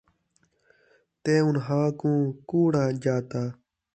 تے اُنھاں کُوں کوڑا ڄاتا،